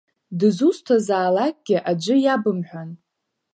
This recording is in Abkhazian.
Дызусҭазаалакгьы аӡәы иабымҳәан!